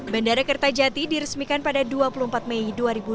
bandara kertajati diresmikan pada dua puluh empat mei dua ribu dua puluh